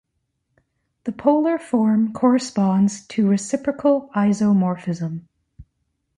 The polar form corresponds to reciprocal isomorphism.